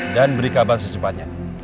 dan beri kabar secepatnya